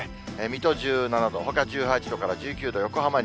水戸１７度、ほか１８度から１９度、横浜２０度。